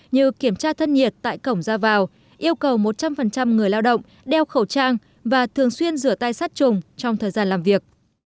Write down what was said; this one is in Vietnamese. như kiểm tra thân nhiệt tại cổng ra vào yêu cầu một trăm linh người lao động đeo khẩu trang và thường xuyên rửa tay sát trùng trong thời gian làm việc